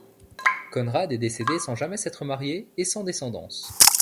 Conrad est décédé sans jamais s’être marié et sans descendance.